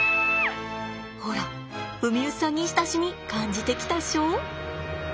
ほらウミウシさんに親しみ感じてきたっしょ？